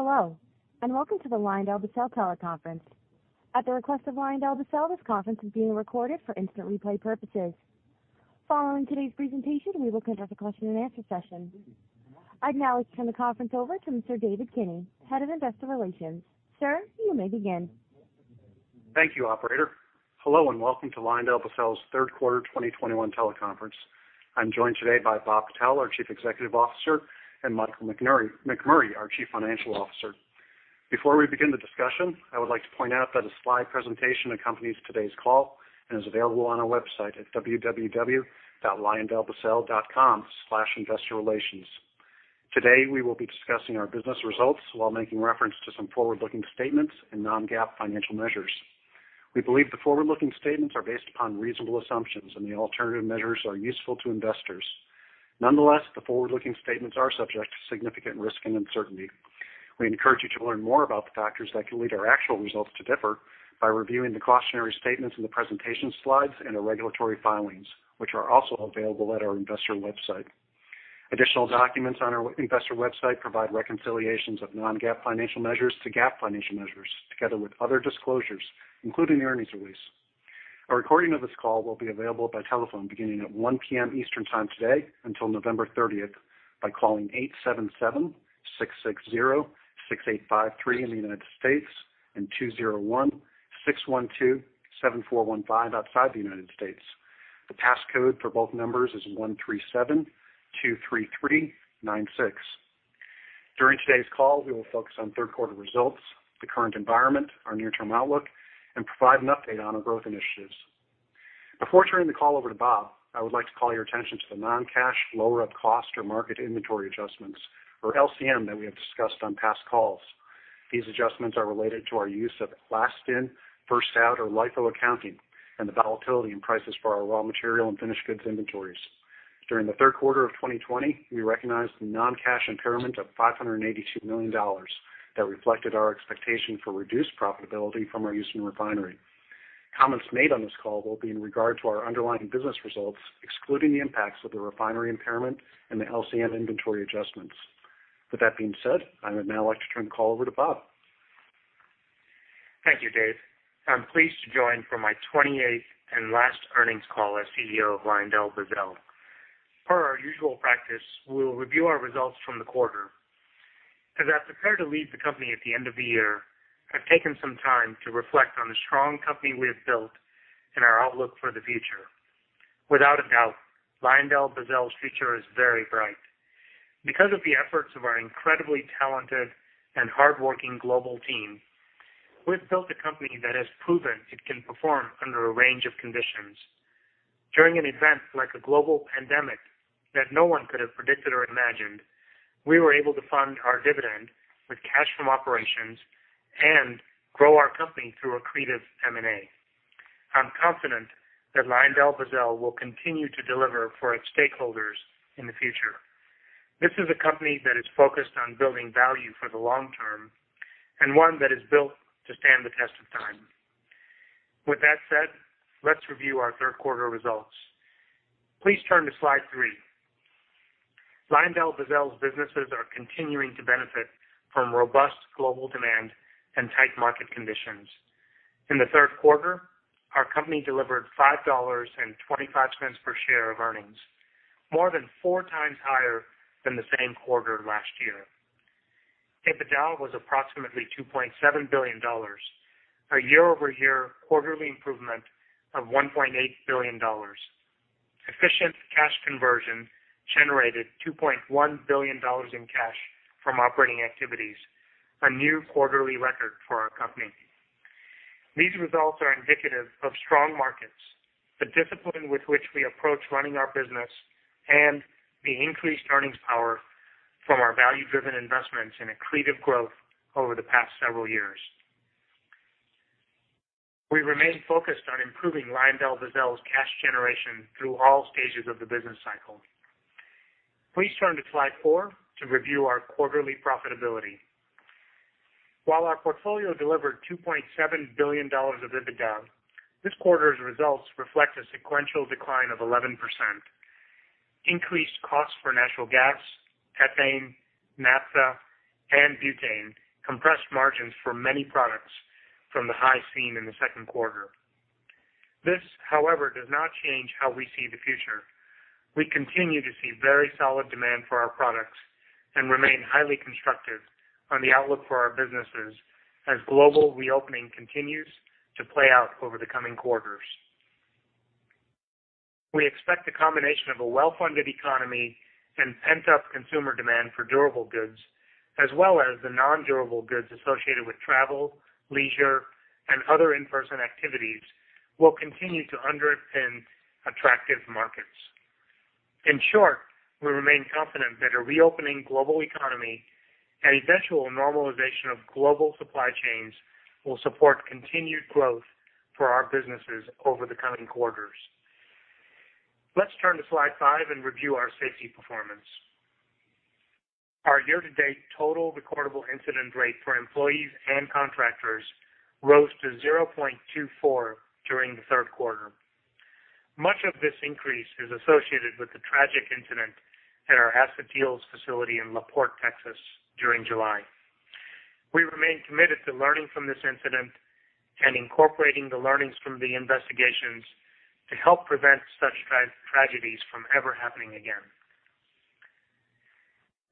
Hello, and welcome to the LyondellBasell teleconference. At the request of LyondellBasell, this conference is being recorded for instant replay purposes. Following today's presentation, we will conduct a question-and-answer session. I'd now like to turn the conference over to Mr. David Kinney, Head of Investor Relations. Sir, you may begin. Thank you, operator. Hello, and welcome to LyondellBasell's third quarter 2021 teleconference. I'm joined today by Bob Patel, our Chief Executive Officer, and Michael McMurray, our Chief Financial Officer. Before we begin the discussion, I would like to point out that a slide presentation accompanies today's call and is available on our website at www.lyondellbasell.com/investorrelations. Today, we will be discussing our business results while making reference to some forward-looking statements and non-GAAP financial measures. We believe the forward-looking statements are based upon reasonable assumptions and the alternative measures are useful to investors. Nonetheless, the forward-looking statements are subject to significant risk and uncertainty. We encourage you to learn more about the factors that can lead our actual results to differ by reviewing the cautionary statements in the presentation slides and the regulatory filings, which are also available at our investor website. Additional documents on our investor website provide reconciliations of non-GAAP financial measures to GAAP financial measures, together with other disclosures, including the earnings release. A recording of this call will be available by telephone beginning at 1:00 P.M. Eastern Time today until November 30th by calling 877-660-6853 in the U.S. and 201-612-7415 outside the U.S. The pass code for both numbers is 13723396. During today's call, we will focus on third quarter results, the current environment, our near-term outlook, and provide an update on our growth initiatives. Before turning the call over to Bob, I would like to call your attention to the non-cash lower of cost or market inventory adjustments, or LCM, that we have discussed on past calls. These adjustments are related to our use of last in, first out, or LIFO accounting, and the volatility in prices for our raw material and finished goods inventories. During the third quarter of 2020, we recognized the non-cash impairment of $582 million that reflected our expectation for reduced profitability from our Houston refinery. Comments made on this call will be in regard to our underlying business results, excluding the impacts of the refinery impairment and the LCM inventory adjustments. With that being said, I would now like to turn the call over to Bob. Thank you, Dave. I'm pleased to join for my 28th and last earnings call as CEO of LyondellBasell. Per our usual practice, we'll review our results from the quarter. As I prepare to leave the company at the end of the year, I've taken some time to reflect on the strong company we have built and our outlook for the future. Without a doubt, LyondellBasell's future is very bright. Because of the efforts of our incredibly talented and hardworking global team, we've built a company that has proven it can perform under a range of conditions. During an event like a global pandemic that no one could have predicted or imagined, we were able to fund our dividend with cash from operations and grow our company through accretive M&A. I'm confident that LyondellBasell will continue to deliver for its stakeholders in the future. This is a company that is focused on building value for the long term and one that is built to stand the test of time. With that said, let's review our third quarter results. Please turn to slide three. LyondellBasell's businesses are continuing to benefit from robust global demand and tight market conditions. In the third quarter, our company delivered $5.25 per share of earnings, more than four times higher than the same quarter last year. EBITDA was approximately $2.7 billion, a year-over-year quarterly improvement of $1.8 billion. Efficient cash conversion generated $2.1 billion in cash from operating activities, a new quarterly record for our company. These results are indicative of strong markets, the discipline with which we approach running our business, and the increased earnings power from our value-driven investments in accretive growth over the past several years. We remain focused on improving LyondellBasell's cash generation through all stages of the business cycle. Please turn to slide four to review our quarterly profitability. While our portfolio delivered $2.7 billion of EBITDA, this quarter's results reflect a sequential decline of 11%. Increased costs for natural gas, ethane, naphtha, and butane compressed margins for many products from the high seen in the second quarter. This, however, does not change how we see the future. We continue to see very solid demand for our products and remain highly constructive on the outlook for our businesses as global reopening continues to play out over the coming quarters. We expect the combination of a well-funded economy and pent-up consumer demand for durable goods, as well as the non-durable goods associated with travel, leisure, and other in-person activities will continue to underpin attractive markets. In short, we remain confident that a reopening global economy and eventual normalization of global supply chains will support continued growth for our businesses over the coming quarters. Let's turn to slide five and review our safety performance. Our year-to-date total recordable incident rate for employees and contractors rose to 0.24 during the third quarter. Much of this increase is associated with the tragic incident at our Acetyls facility in La Porte, Texas during July. We remain committed to learning from this incident and incorporating the learnings from the investigations to help prevent such tragedies from ever happening again.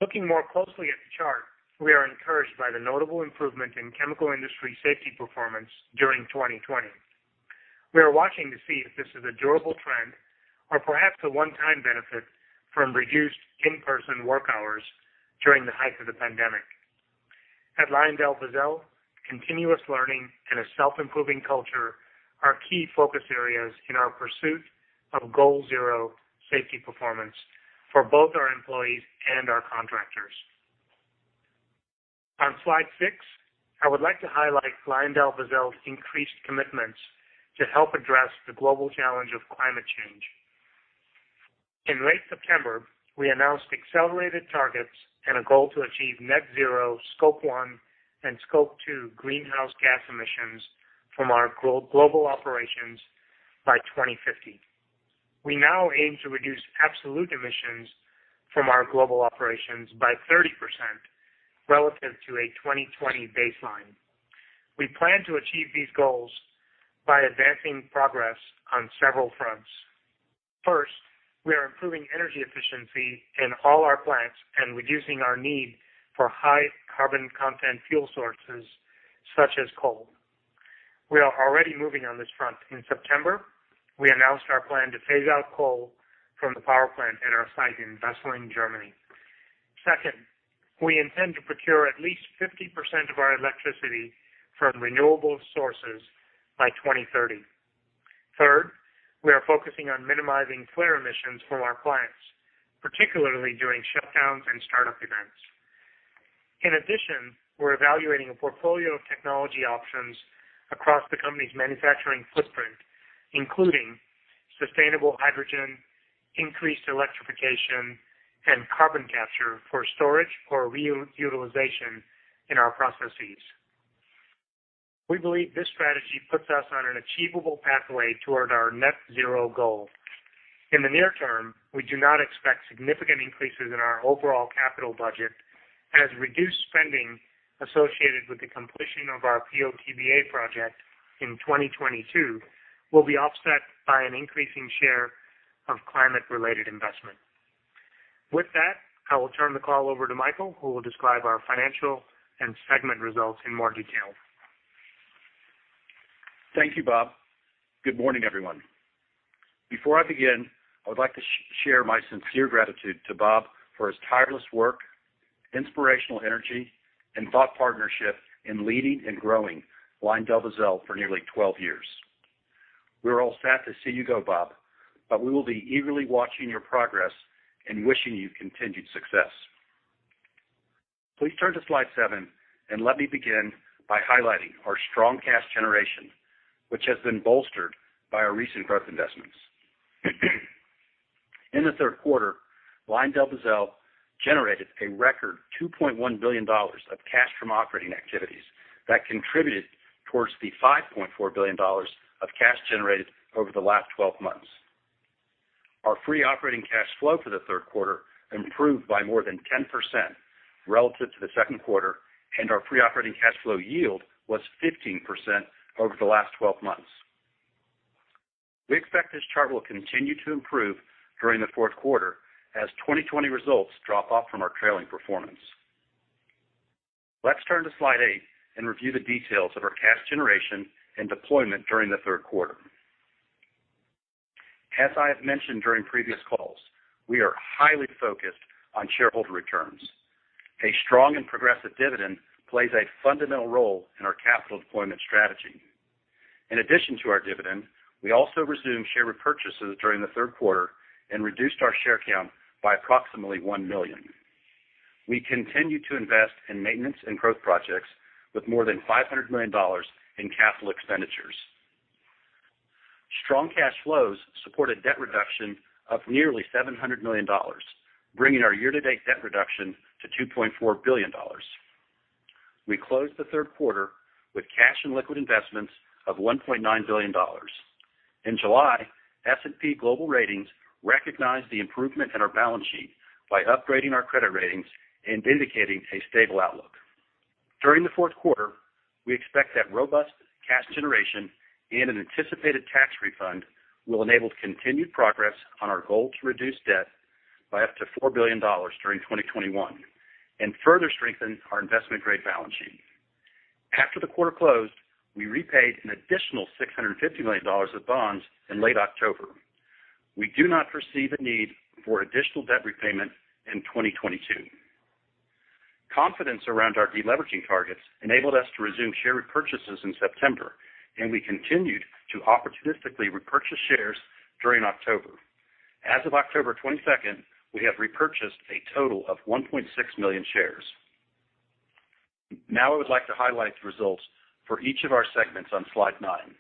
Looking more closely at the chart, we are encouraged by the notable improvement in chemical industry safety performance during 2020. We are watching to see if this is a durable trend or perhaps a one-time benefit from reduced in-person work hours during the height of the pandemic. At LyondellBasell, continuous learning and a self-improving culture are key focus areas in our pursuit of goal zero safety performance for both our employees and our contractors. On slide six, I would like to highlight LyondellBasell's increased commitments to help address the global challenge of climate change. In late September, we announced accelerated targets and a goal to achieve net zero scope one and scope two greenhouse gas emissions from our global operations by 2050. We now aim to reduce absolute emissions from our global operations by 30% relative to a 2020 baseline. We plan to achieve these goals by advancing progress on several fronts. First, we are improving energy efficiency in all our plants and reducing our need for high carbon content fuel sources such as coal. We are already moving on this front. In September, we announced our plan to phase out coal from the power plant at our site in Wesseling, Germany. Second, we intend to procure at least 50% of our electricity from renewable sources by 2030. Third, we are focusing on minimizing flare emissions from our plants, particularly during shutdowns and startup events. In addition, we're evaluating a portfolio of technology options across the company's manufacturing footprint, including sustainable hydrogen, increased electrification, and carbon capture for storage or re-utilization in our processes. We believe this strategy puts us on an achievable pathway toward our net zero goal. In the near term, we do not expect significant increases in our overall capital budget, as reduced spending associated with the completion of our POPVA project in 2022 will be offset by an increasing share of climate-related investment. With that, I will turn the call over to Michael, who will describe our financial and segment results in more detail. Thank you, Bob. Good morning, everyone. Before I begin, I would like to share my sincere gratitude to Bob for his tireless work, inspirational energy, and thought partnership in leading and growing LyondellBasell for nearly 12 years. We're all sad to see you go, Bob, but we will be eagerly watching your progress and wishing you continued success. Please turn to slide seven, and let me begin by highlighting our strong cash generation, which has been bolstered by our recent growth investments. In the third quarter, LyondellBasell generated a record $2.1 billion of cash from operating activities that contributed towards the $5.4 billion of cash generated over the last 12 months. Our free operating cash flow for the third quarter improved by more than 10% relative to the second quarter, and our free operating cash flow yield was 15% over the last 12 months. We expect this chart will continue to improve during the fourth quarter as 2020 results drop off from our trailing performance. Let's turn to slide eight and review the details of our cash generation and deployment during the third quarter. As I have mentioned during previous calls, we are highly focused on shareholder returns. A strong and progressive dividend plays a fundamental role in our capital deployment strategy. In addition to our dividend, we also resumed share repurchases during the third quarter and reduced our share count by approximately 1 million. We continue to invest in maintenance and growth projects with more than $500 million in capital expenditures. Strong cash flows supported debt reduction of nearly $700 million, bringing our year-to-date debt reduction to $2.4 billion. We closed the third quarter with cash and liquid investments of $1.9 billion. In July, S&P Global Ratings recognized the improvement in our balance sheet by upgrading our credit ratings and indicating a stable outlook. During the fourth quarter, we expect that robust cash generation and an anticipated tax refund will enable continued progress on our goal to reduce debt by up to $4 billion during 2021 and further strengthen our investment-grade balance sheet. After the quarter closed, we repaid an additional $650 million of bonds in late October. We do not foresee the need for additional debt repayment in 2022. Confidence around our deleveraging targets enabled us to resume share repurchases in September, and we continued to opportunistically repurchase shares during October. As of October 22, we have repurchased a total of 1.6 million shares. Now I would like to highlight the results for each of our segments on slide nine.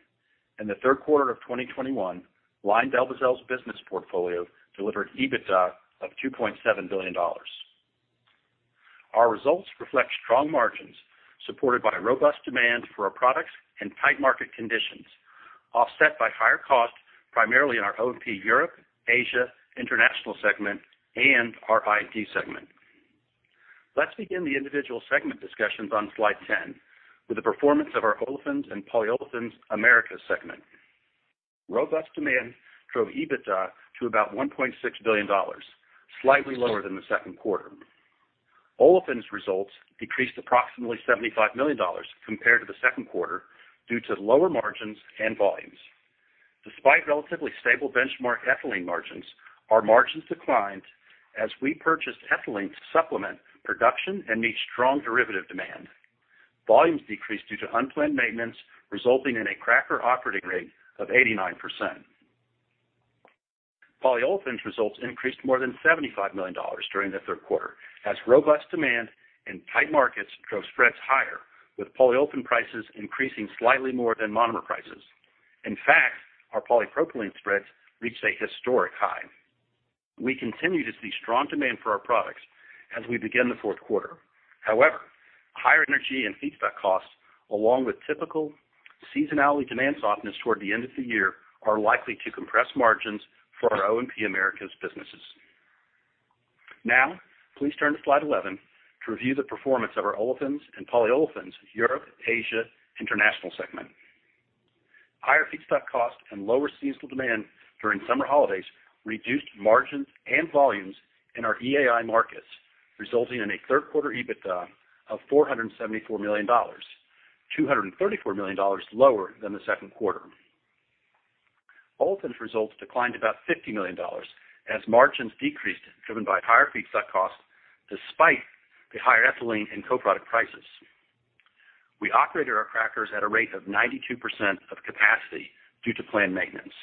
In the third quarter of 2021, LyondellBasell's business portfolio delivered EBITDA of $2.7 billion. Our results reflect strong margins supported by robust demand for our products and tight market conditions, offset by higher costs, primarily in our O&P Europe, Asia, International segment and our I&D segment. Let's begin the individual segment discussions on slide 10 with the performance of our Olefins and Polyolefins Americas segment. Robust demand drove EBITDA to about $1.6 billion, slightly lower than the second quarter. Olefins results decreased approximately $75 million compared to the second quarter due to lower margins and volumes. Despite relatively stable benchmark ethylene margins, our margins declined as we purchased ethylene to supplement production and meet strong derivative demand. Volumes decreased due to unplanned maintenance, resulting in a cracker operating rate of 89%. Polyolefins results increased more than $75 million during the third quarter as robust demand and tight markets drove spreads higher, with polyolefin prices increasing slightly more than monomer prices. In fact, our polypropylene spreads reached a historic high. We continue to see strong demand for our products as we begin the fourth quarter. However, higher energy and feedstock costs, along with typical seasonality demand softness toward the end of the year, are likely to compress margins for our O&P Americas businesses. Now please turn to slide 11 to review the performance of our Olefins and Polyolefins - Europe, Asia, International segment. Higher feedstock costs and lower seasonal demand during summer holidays reduced margins and volumes in our EAI markets, resulting in a third quarter EBITDA of $474 million, $234 million lower than the second quarter. Olefins results declined about $50 million as margins decreased, driven by higher feedstock costs despite the higher ethylene and coproduct prices. We operated our crackers at a rate of 92% of capacity due to planned maintenance.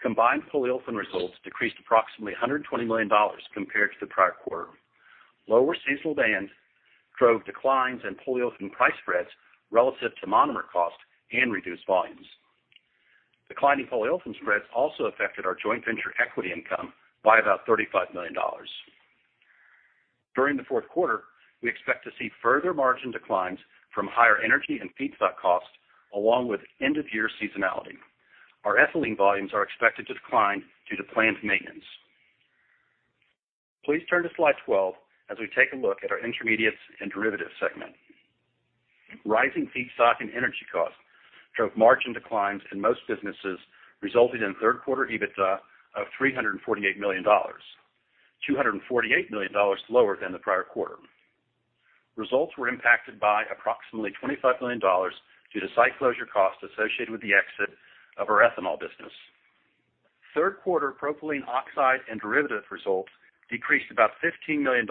Combined polyolefin results decreased approximately $120 million compared to the prior quarter. Lower seasonal demand drove declines in polyolefin price spreads relative to monomer cost and reduced volumes. Declining polyolefin spreads also affected our joint venture equity income by about $35 million. During the fourth quarter, we expect to see further margin declines from higher energy and feedstock costs along with end of year seasonality. Our ethylene volumes are expected to decline due to planned maintenance. Please turn to slide 12 as we take a look at our Intermediates and Derivatives segment. Rising feedstock and energy costs drove margin declines in most businesses, resulting in third quarter EBITDA of $348 million, $248 million lower than the prior quarter. Results were impacted by approximately $25 million due to site closure costs associated with the exit of our ethanol business. Third quarter propylene oxide and derivative results decreased about $15 million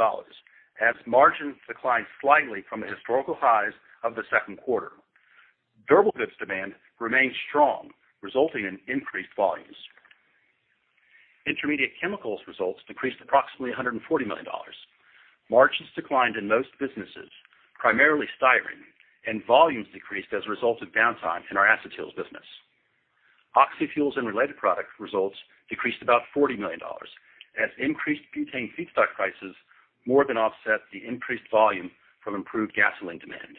as margins declined slightly from the historical highs of the second quarter. Durable goods demand remained strong, resulting in increased volumes. Intermediate chemicals results decreased approximately $140 million. Margins declined in most businesses, primarily styrene, and volumes decreased as a result of downtime in our acetyls business. Oxy fuels and related product results decreased about $40 million as increased butane feedstock prices more than offset the increased volume from improved gasoline demand.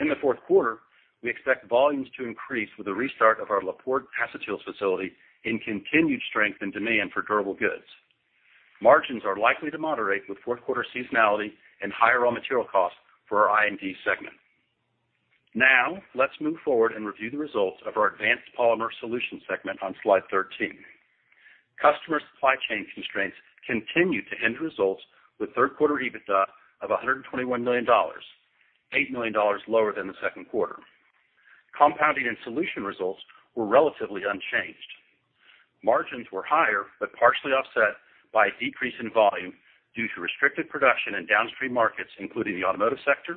In the fourth quarter, we expect volumes to increase with the restart of our La Porte acetyls facility in continued strength and demand for durable goods. Margins are likely to moderate with fourth quarter seasonality and higher raw material costs for our I&D segment. Now let's move forward and review the results of our Advanced Polymer Solutions segment on slide 13. Customer supply chain constraints continue to hinder results with third quarter EBITDA of $121 million, $8 million lower than the second quarter. Compounding and solution results were relatively unchanged. Margins were higher, but partially offset by a decrease in volume due to restricted production in downstream markets, including the automotive sector,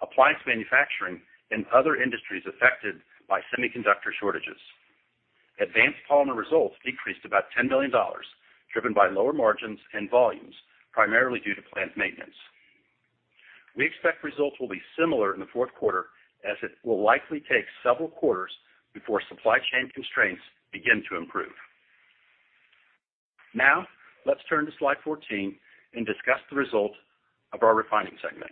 appliance manufacturing, and other industries affected by semiconductor shortages. Advanced Polymer results decreased about $10 million, driven by lower margins and volumes, primarily due to planned maintenance. We expect results will be similar in the fourth quarter as it will likely take several quarters before supply chain constraints begin to improve. Now let's turn to slide 14 and discuss the result of our Refining segment.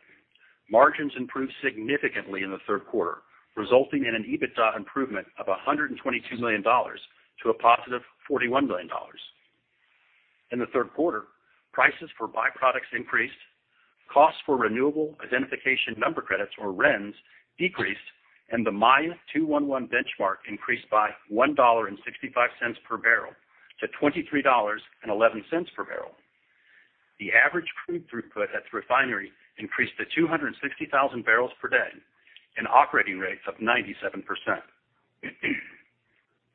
Margins improved significantly in the third quarter, resulting in an EBITDA improvement of $122 million to a positive $41 million. In the third quarter, prices for byproducts increased, costs for renewable identification number credits or RINS decreased, and the Maya 211 benchmark increased by $1.65 per barrel to $23.11 per barrel. The average crude throughput at the refinery increased to 260,000 barrels per day and operating rates of 97%.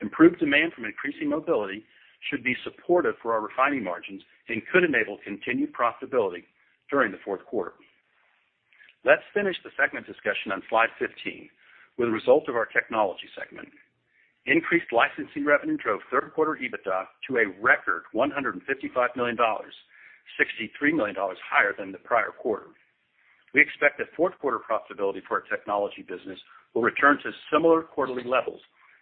Improved demand from increasing mobility should be supportive for our refining margins and could enable continued profitability during the fourth quarter. Let's finish the segment discussion on slide 15 with the results of our Technology segment. Increased licensing revenue drove third quarter EBITDA to a record $155 million, $63 million higher than the prior quarter. We expect that fourth quarter profitability for our technology business will return to similar quarterly levels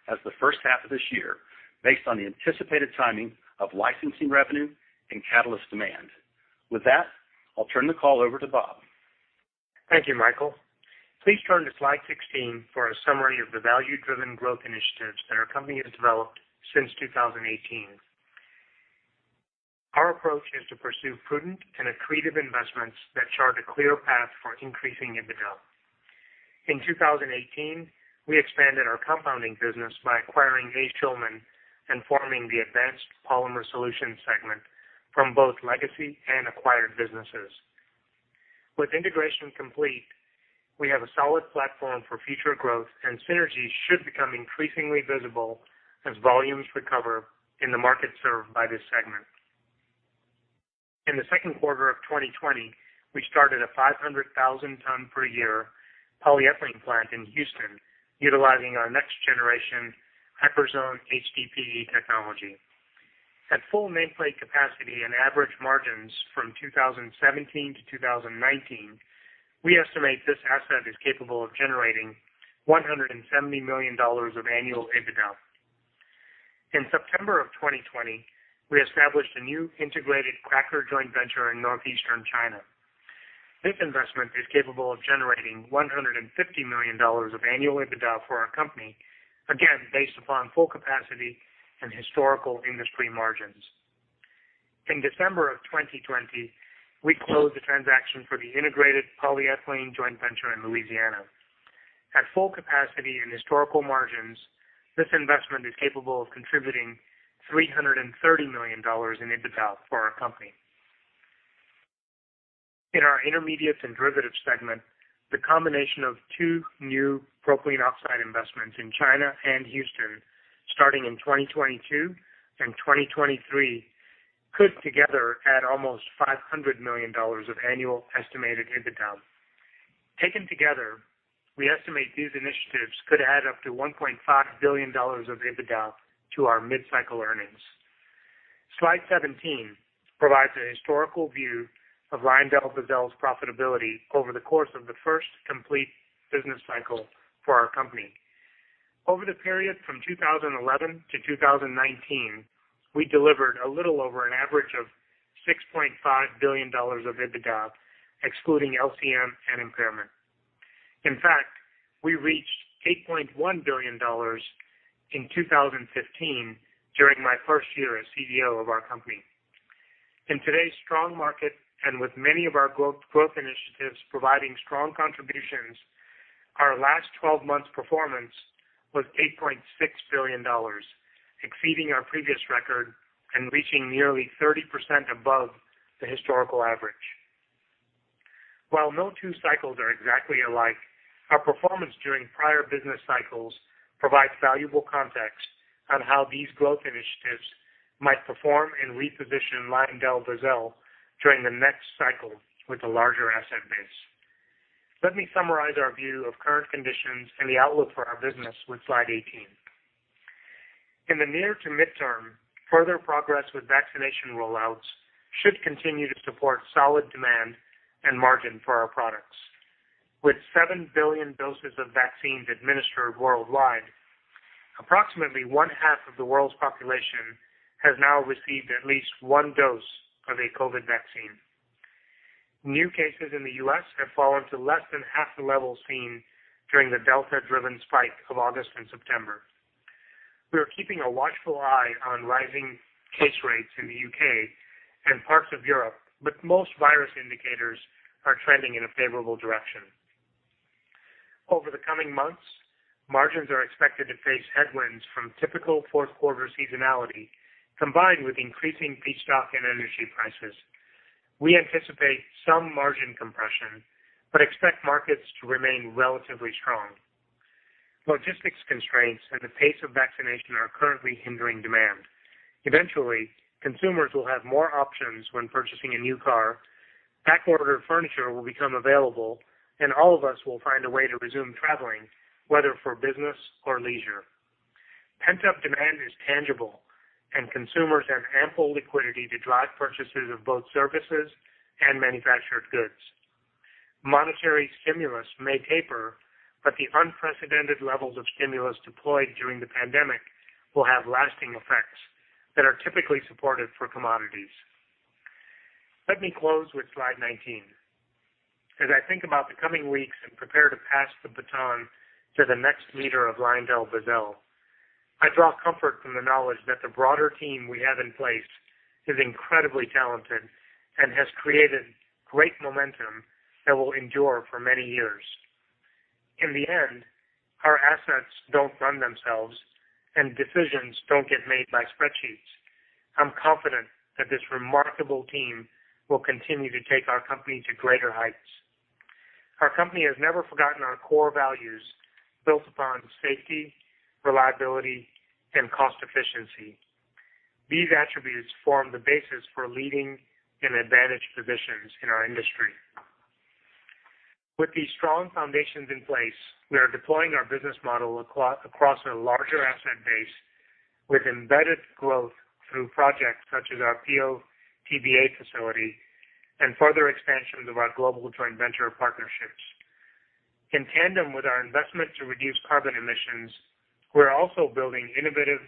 as the first half of this year based on the anticipated timing of licensing revenue and catalyst demand. With that, I'll turn the call over to Bob. Thank you, Michael. Please turn to slide 16 for a summary of the value-driven growth initiatives that our company has developed since 2018. Our approach is to pursue prudent and accretive investments that chart a clear path for increasing EBITDA. In 2018, we expanded our compounding business by acquiring A. Schulman and forming the Advanced Polymer Solutions segment from both legacy and acquired businesses. With integration complete, we have a solid platform for future growth, and synergies should become increasingly visible as volumes recover in the market served by this segment. In the second quarter of 2020, we started a 500,000-ton-per-year polyethylene plant in Houston utilizing our next generation Hyperzone PE technology. At full nameplate capacity and average margins from 2017 to 2019, we estimate this asset is capable of generating $170 million of annual EBITDA. In September of 2020, we established a new integrated cracker joint venture in northeastern China. This investment is capable of generating $150 million of annual EBITDA for our company, again, based upon full capacity and historical industry margins. In December of 2020, we closed the transaction for the integrated polyethylene joint venture in Louisiana. At full capacity and historical margins, this investment is capable of contributing $330 million in EBITDA for our company. In our Intermediates and Derivatives segment, the combination of two new propylene oxide investments in China and Houston starting in 2022 and 2023 could together add almost $500 million of annual estimated EBITDA. Taken together, we estimate these initiatives could add up to $1.5 billion of EBITDA to our mid-cycle earnings. Slide 17 provides a historical view of LyondellBasell's profitability over the course of the first complete business cycle for our company. Over the period from 2011 to 2019, we delivered a little over an average of $6.5 billion of EBITDA excluding LCM and impairment. In fact, we reached $8.1 billion in 2015 during my first year as CEO of our company. In today's strong market, with many of our growth initiatives providing strong contributions, our last 12 months performance was $8.6 billion, exceeding our previous record and reaching nearly 30% above the historical average. While no two cycles are exactly alike, our performance during prior business cycles provides valuable context on how these growth initiatives might perform and reposition LyondellBasell during the next cycle with a larger asset base. Let me summarize our view of current conditions and the outlook for our business with slide 18. In the near to mid-term, further progress with vaccination rollouts should continue to support solid demand and margin for our products. With 7 billion doses of vaccines administered worldwide, approximately one-half of the world's population has now received at least one dose of a COVID vaccine. New cases in the U.S. have fallen to less than half the levels seen during the Delta-driven spike of August and September. We are keeping a watchful eye on rising case rates in the U.K. and parts of Europe, but most virus indicators are trending in a favorable direction. Over the coming months, margins are expected to face headwinds from typical fourth quarter seasonality combined with increasing feedstock and energy prices. We anticipate some margin compression but expect markets to remain relatively strong. Logistics constraints and the pace of vaccination are currently hindering demand. Eventually, consumers will have more options when purchasing a new car, backordered furniture will become available, and all of us will find a way to resume traveling, whether for business or leisure. Pent-up demand is tangible, and consumers have ample liquidity to drive purchases of both services and manufactured goods. Monetary stimulus may taper, but the unprecedented levels of stimulus deployed during the pandemic will have lasting effects that are typically supportive for commodities. Let me close with slide 19. As I think about the coming weeks and prepare to pass the baton to the next leader of LyondellBasell, I draw comfort from the knowledge that the broader team we have in place is incredibly talented and has created great momentum that will endure for many years. In the end, our assets don't run themselves, and decisions don't get made by spreadsheets. I'm confident that this remarkable team will continue to take our company to greater heights. Our company has never forgotten our core values built upon safety, reliability, and cost efficiency. These attributes form the basis for leading in advantaged positions in our industry. With these strong foundations in place, we are deploying our business model across a larger asset base with embedded growth through projects such as our PO TBA facility and further expansions of our global joint venture partnerships. In tandem with our investment to reduce carbon emissions, we're also building innovative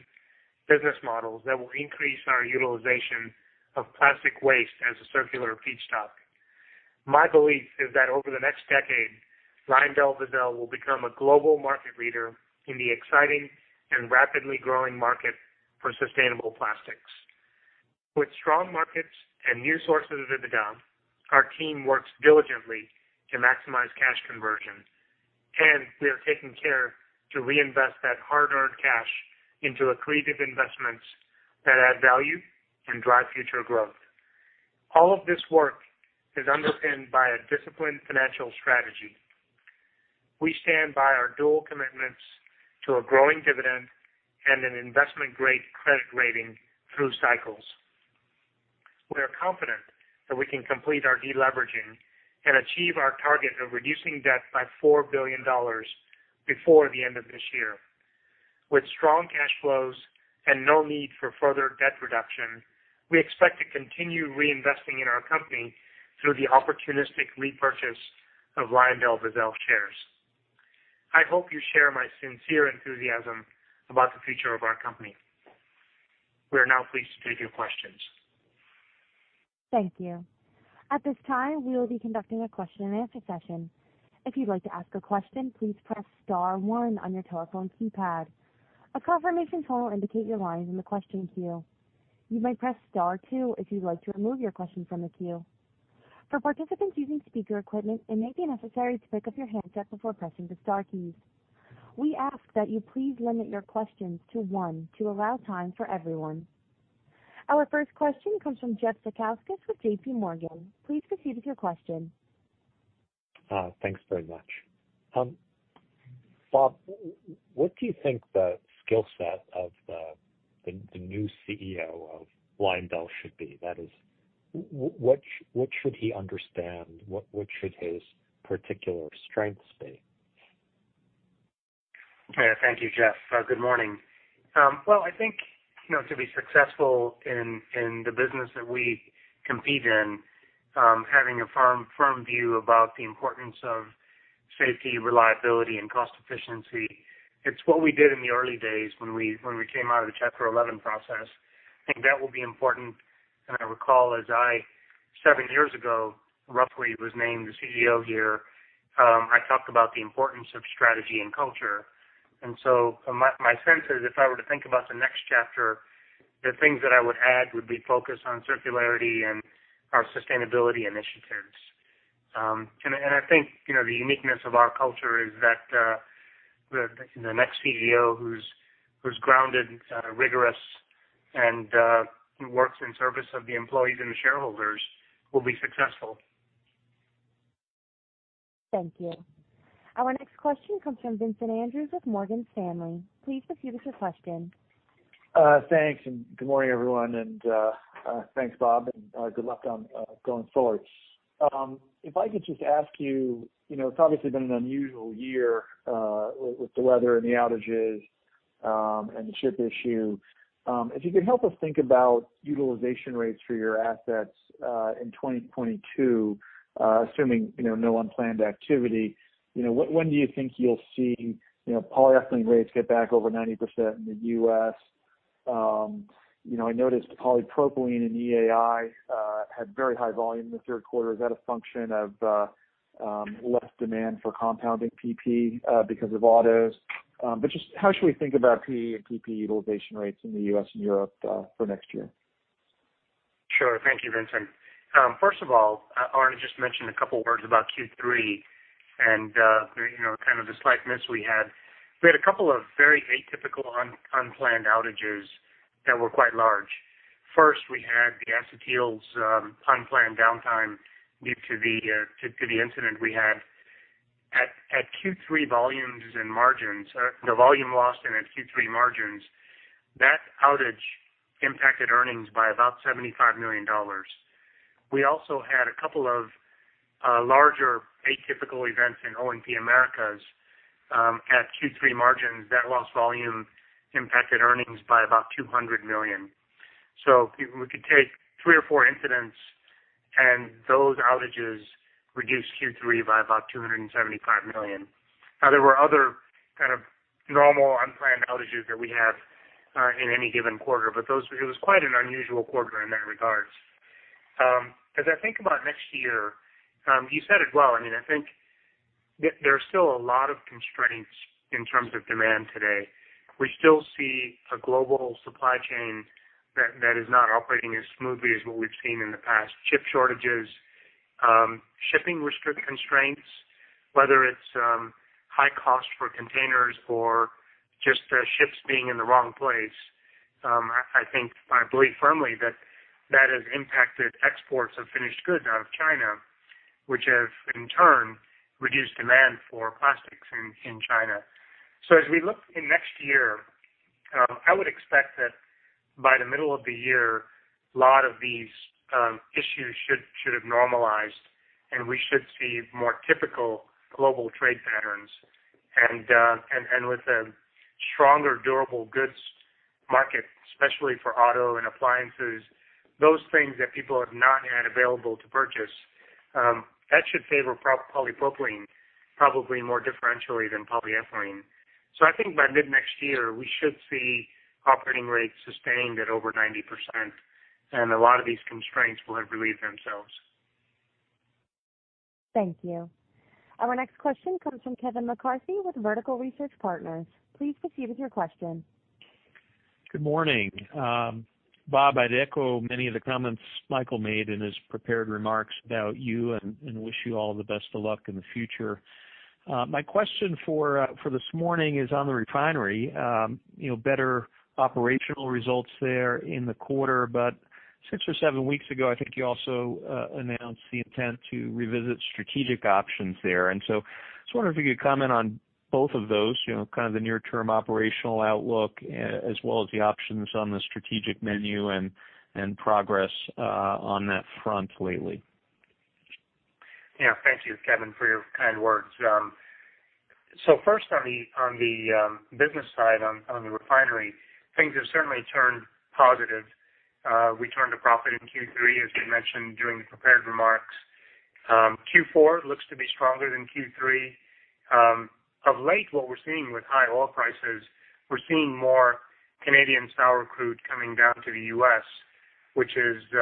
business models that will increase our utilization of plastic waste as a circular feedstock. My belief is that over the next decade, LyondellBasell will become a global market leader in the exciting and rapidly growing market for sustainable plastics. With strong markets and new sources of income, our team works diligently to maximize cash conversion, and we are taking care to reinvest that hard-earned cash into accretive investments that add value and drive future growth. All of this work is underpinned by a disciplined financial strategy. We stand by our dual commitments to a growing dividend and an investment grade credit rating through cycles. We are confident that we can complete our deleveraging and achieve our target of reducing debt by $4 billion before the end of this year. With strong cash flows and no need for further debt reduction, we expect to continue reinvesting in our company through the opportunistic repurchase of LyondellBasell shares. I hope you share my sincere enthusiasm about the future of our company. We are now pleased to take your questions. Thank you. At this time, we will be conducting a question-and-answer session. If you'd like to ask a question, please press star one on your telephone keypad. A confirmation tone will indicate your line in the question queue. You may press star two if you'd like to remove your question from the queue. For participants using speaker equipment, it may be necessary to pick up your handset before pressing the star keys. We ask that you please limit your questions to one to allow time for everyone. Our first question comes from Jeffrey Zekauskas with JPMorgan. Please proceed with your question. Thanks very much. Bob, what do you think the skill set of the new CEO of LyondellBasell should be? That is, what should he understand? What should his particular strengths be? Thank you, Jeff. Good morning. Well, I think, you know, to be successful in the business that we compete in, having a firm view about the importance of safety, reliability and cost efficiency. It's what we did in the early days when we came out of the Chapter 11 process. I think that will be important. I recall as I, seven years ago, roughly, was named the CEO here, I talked about the importance of strategy and culture. My sense is if I were to think about the next chapter, the things that I would add would be focus on circularity and our sustainability initiatives. I think, you know, the uniqueness of our culture is that the next CEO who's grounded, rigorous and works in service of the employees and the shareholders will be successful. Thank you. Our next question comes from Vincent Andrews with Morgan Stanley. Please proceed with your question. Thanks, and good morning, everyone. Thanks, Bob, and good luck on going forward. If I could just ask you know, it's obviously been an unusual year with the weather and the outages, and the ship issue. If you could help us think about utilization rates for your assets in 2022, assuming, you know, no unplanned activity. You know, when do you think you'll see, you know, polyethylene rates get back over 90% in the U.S.? You know, I noticed polypropylene and EAI had very high volume in the third quarter. Is that a function of less demand for compounding PP because of autos? Just how should we think about PE and PP utilization rates in the U.S. and Europe for next year? Sure. Thank you, Vincent. First of all, Arne just mentioned a couple words about Q3 and, you know, kind of the slight miss we had. We had a couple of very atypical unplanned outages that were quite large. First, we had the Acetyls unplanned downtime due to the incident we had. At Q3 volumes and margins, the volume loss and Q3 margins, that outage impacted earnings by about $75 million. We also had a couple of larger atypical events in O&P-Americas. At Q3 margins, that lost volume impacted earnings by about $200 million. We could take three or four incidents and those outages reduced Q3 by about $275 million. Now, there were other kind of normal unplanned outages that we have in any given quarter, but those it was quite an unusual quarter in that regards. As I think about next year, you said it well. I mean, I think there are still a lot of constraints in terms of demand today. We still see a global supply chain that is not operating as smoothly as what we've seen in the past. Ship shortages, shipping restrictions constraints, whether it's high cost for containers or just ships being in the wrong place. I think I believe firmly that that has impacted exports of finished goods out of China, which have in turn reduced demand for plastics in China. As we look in next year, I would expect that by the middle of the year, a lot of these issues should have normalized, and we should see more typical global trade patterns with a stronger durable goods market, especially for auto and appliances, those things that people have not had available to purchase, that should favor polypropylene probably more differentially than polyethylene. I think by mid-next year, we should see operating rates sustained at over 90%, and a lot of these constraints will have relieved themselves. Thank you. Our next question comes from Kevin McCarthy with Vertical Research Partners. Please proceed with your question. Good morning. Bob, I'd echo many of the comments Michael made in his prepared remarks about you and wish you all the best of luck in the future. My question for this morning is on the refinery. You know, better operational results there in the quarter. Six or seven weeks ago, I think you also announced the intent to revisit strategic options there. I just wonder if you could comment on both of those, you know, kind of the near-term operational outlook, as well as the options on the strategic menu and progress on that front lately. Yeah. Thank you, Kevin, for your kind words. First on the business side, on the refinery, things have certainly turned positive. We turned a profit in Q3, as you mentioned during the prepared remarks. Q4 looks to be stronger than Q3. Of late, what we're seeing with high oil prices, we're seeing more Canadian sour crude coming down to the U.S., which is, you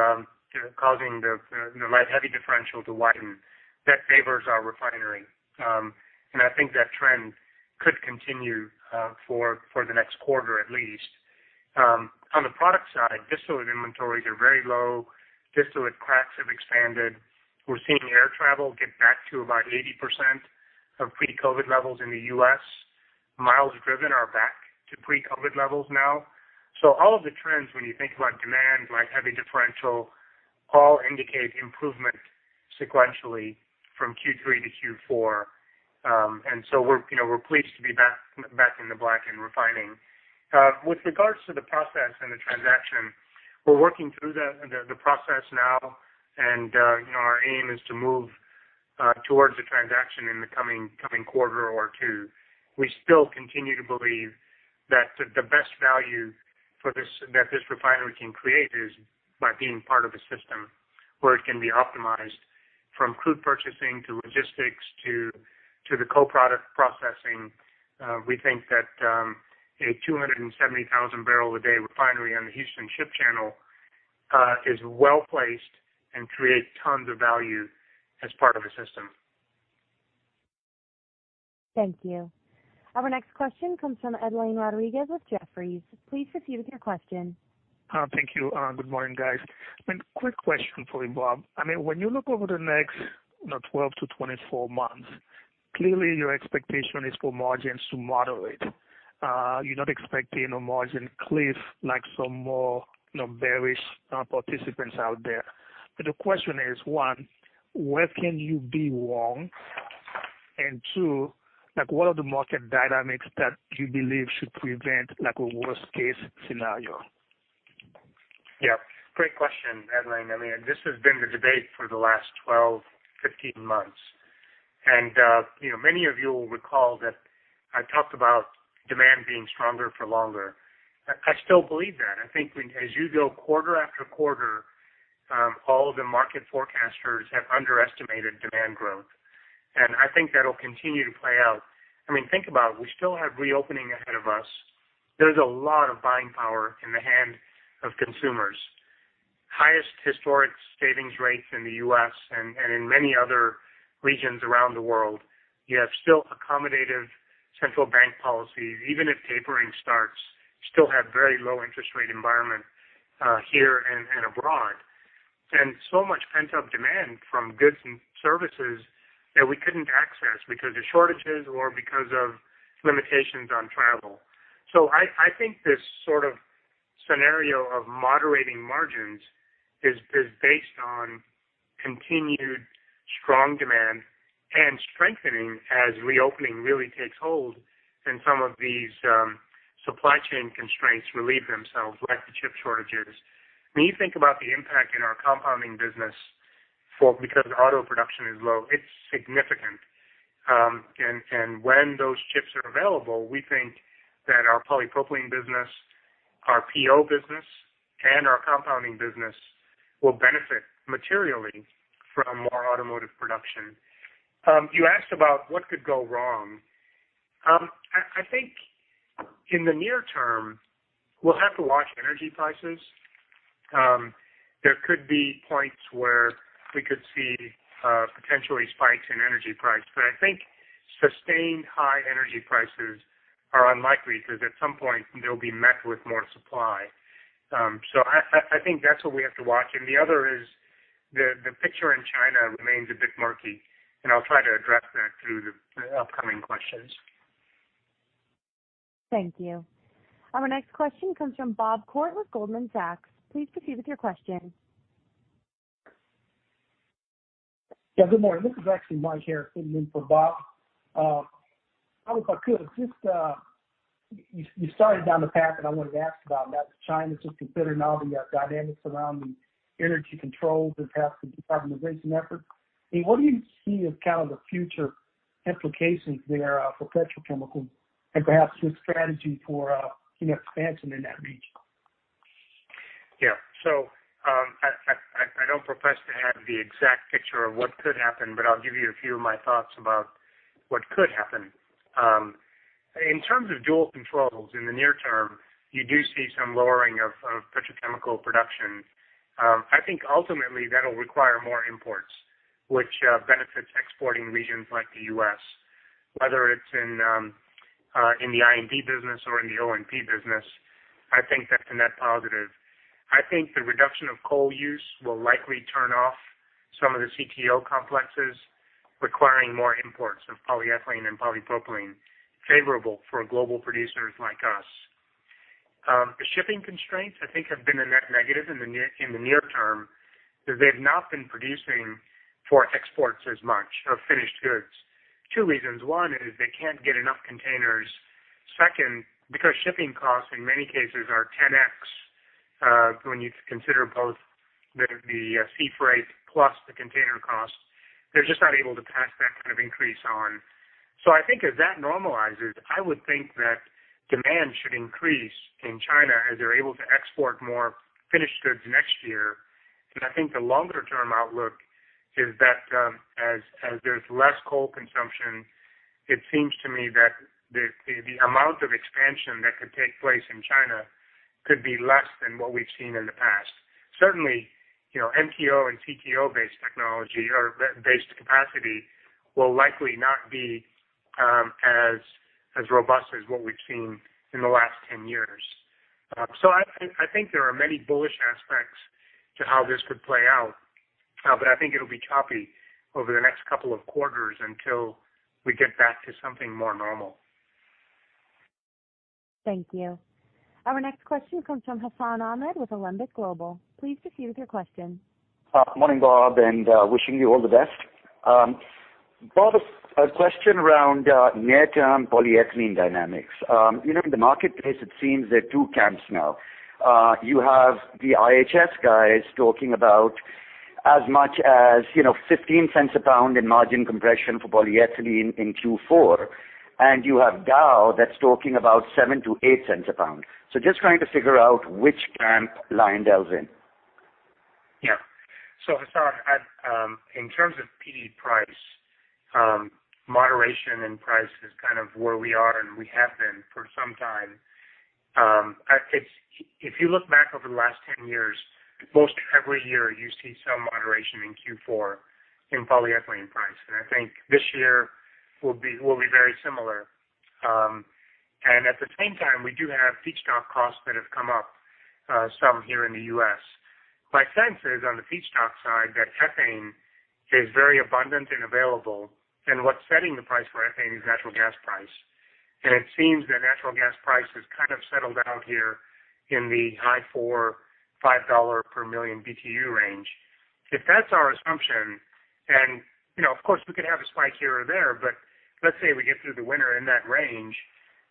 know, causing the light-heavy differential to widen. That favors our refinery. I think that trend could continue, for the next quarter at least. On the product side, distillate inventories are very low. Distillate cracks have expanded. We're seeing air travel get back to about 80% of pre-COVID levels in the U.S. Miles driven are back to pre-COVID levels now. All of the trends, when you think about demand, like heavy differential, all indicate improvement sequentially from Q3 to Q4. We're pleased to be back in the black in refining. With regards to the process and the transaction, we're working through the process now, and our aim is to move towards the transaction in the coming quarter or two. We still continue to believe that the best value for this refinery can create is by being part of a system where it can be optimized from crude purchasing to logistics to the co-product processing. We think that a 270,000 barrel a day refinery on the Houston Ship Channel is well-placed and creates tons of value as part of a system. Thank you. Our next question comes from Edlain Rodriguez with Jefferies. Please proceed with your question. Thank you. Good morning, guys. I mean, quick question for you, Bob. I mean, when you look over the next, you know, 12-24 months, clearly your expectation is for margins to moderate. You're not expecting a margin cliff like some more, you know, bearish participants out there. The question is, one, where can you be wrong? And two, like, what are the market dynamics that you believe should prevent like a worst case scenario? Yeah. Great question, Edlain. I mean, this has been the debate for the last 12, 15 months. You know, many of you will recall that I talked about demand being stronger for longer. I still believe that. I think as you go quarter after quarter, all of the market forecasters have underestimated demand growth, and I think that'll continue to play out. I mean, think about it. We still have reopening ahead of us. There's a lot of buying power in the hand of consumers. Highest historic savings rates in the U.S. and in many other regions around the world. You have still accommodative central bank policies. Even if tapering starts, you still have very low interest rate environment here and abroad. Much pent-up demand from goods and services that we couldn't access because of shortages or because of limitations on travel. I think this sort of scenario of moderating margins is based on continued strong demand and strengthening as reopening really takes hold and some of these supply chain constraints relieve themselves, like the chip shortages. When you think about the impact in our compounding business because auto production is low, it's significant. When those chips are available, we think that our polypropylene business, our PO business, and our compounding business will benefit materially from more automotive production. You asked about what could go wrong. I think in the near term, we'll have to watch energy prices. There could be points where we could see potentially spikes in energy price. I think sustained high energy prices are unlikely because at some point they'll be met with more supply. I think that's what we have to watch. The other is the picture in China remains a bit murky, and I'll try to address that through the upcoming questions. Thank you. Our next question comes from Bob Koort with Goldman Sachs. Please proceed with your question. Yeah. Good morning. This is actually Mike Harris sitting in for Bob. Bob, if I could, just, you started down the path that I wanted to ask about, and that's China, just considering all the dynamics around the energy controls and perhaps the decarbonization effort. I mean, what do you see as kind of the future implications there, for petrochemical and perhaps your strategy for, you know, expansion in that region? I don't profess to have the exact picture of what could happen, but I'll give you a few of my thoughts about what could happen. In terms of dual controls in the near term, you do see some lowering of petrochemical production. I think ultimately that'll require more imports, which benefits exporting regions like the U.S., whether it's in the I&D business or in the O&P business. I think that's a net positive. I think the reduction of coal use will likely turn off some of the CTO complexes requiring more imports of polyethylene and polypropylene, favorable for global producers like us. The shipping constraints I think have been a net negative in the near term, because they've not been producing for exports as much of finished goods. Two reasons. One is they can't get enough containers. Second, because shipping costs in many cases are 10x when you consider both the sea freight plus the container costs, they're just not able to pass that kind of increase on. I think as that normalizes, I would think that demand should increase in China as they're able to export more finished goods next year. I think the longer term outlook is that, as there's less coal consumption, it seems to me that the amount of expansion that could take place in China could be less than what we've seen in the past. Certainly, you know, MTO and CTO based technology or based capacity will likely not be as robust as what we've seen in the last 10 years. I think there are many bullish aspects to how this could play out. I think it'll be choppy over the next couple of quarters until we get back to something more normal. Thank you. Our next question comes from Hassan Ahmed with Alembic Global Advisors. Please proceed with your question. Morning, Bob, and wishing you all the best. Bob, a question around near term polyethylene dynamics. You know, in the marketplace it seems there are two camps now. You have the IHS guys talking about as much as, you know, $0.15 a pound in margin compression for polyethylene in Q4, and you have Dow that's talking about $0.07-$0.08 a pound. Just trying to figure out which camp LyondellBasell's in. Yeah. Hassan, in terms of PE price, moderation in price is kind of where we are and we have been for some time. It's if you look back over the last 10 years, most every year you see some moderation in Q4 in polyethylene price, and I think this year will be very similar. At the same time we do have feedstock costs that have come up some here in the U.S. My sense is on the feedstock side that ethane is very abundant and available, and what's setting the price for ethane is natural gas price. It seems that natural gas price has kind of settled out here in the high $4-$5 per million BTU range. If that's our assumption, and, you know, of course we could have a spike here or there, but let's say we get through the winter in that range